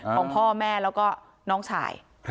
ของพ่อแม่แล้วก็น้องชาย